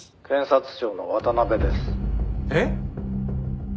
「検察庁の渡辺です」えっ？